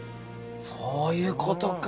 そういうことか。